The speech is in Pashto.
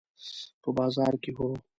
په بازار کې، هو